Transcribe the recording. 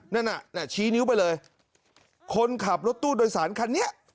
นั่นน่ะชี้นิ้วไปเลยคนขับรถตู้โดยสารคันนี้